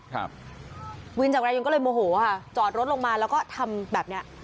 ครับวินจักรยานยนก็เลยโมโหค่ะจอดรถลงมาแล้วก็ทำแบบเนี้ย